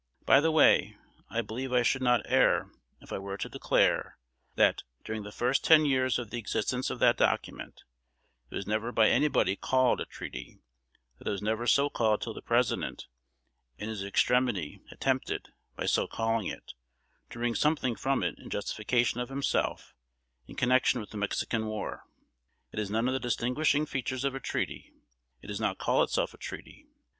By the way, I believe I should not err if I were to declare, that, during the first ten years of the existence of that document, it was never by anybody called a treaty; that it was never so called till the President, in his extremity, attempted, by so calling it, to wring something from it in justification of himself in connection with the Mexican war. It has none of the distinguishing features of a treaty. It does not call itself a treaty.